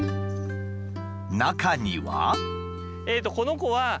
中には。